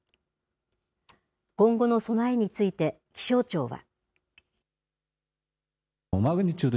今後の備えについて、気象庁は。